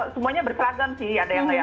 semuanya berkeladan sih ada yang